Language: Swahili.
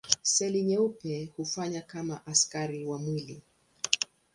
Seli nyeupe hufanya kama askari wa mwili.